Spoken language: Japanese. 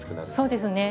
そうですね。